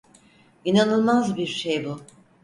İnanılmaz bir şey bu.